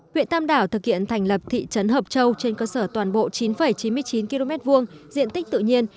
huyện tam đảo thực hiện thành lập thị trấn hợp châu trên cơ sở toàn bộ chín chín mươi chín km hai diện tích tự nhiên